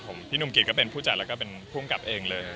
ผมพี่หนุ่มกิตก็เป็นผู้จัดแล้วก็เป็นผู้กำกับเองเลย